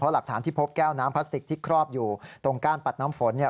หลักฐานที่พบแก้วน้ำพลาสติกที่ครอบอยู่ตรงก้านปัดน้ำฝนเนี่ย